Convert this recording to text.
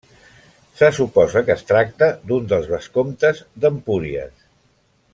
Se suposa que es tracta d'un dels vescomtes d'Empúries.